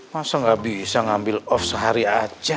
masa nggak bisa ngambil off sehari aja